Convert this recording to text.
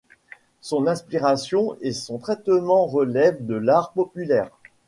Son inspiration et son traitement relèvent de l'art populaire.